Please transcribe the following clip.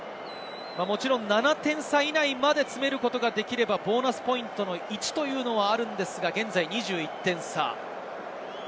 もちろん７点差以内まで詰めることができればボーナスポイントの１はあるのですが、現在２１点差。